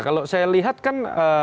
kalau saya lihat kan